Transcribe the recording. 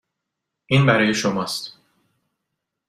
این برای شماست.